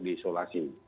jangan di isolasi